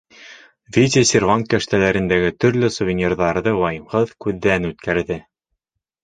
Витя сервант кәштәләрендәге төрлө сувенирҙарҙы вайымһыҙ күҙҙән үткәрҙе.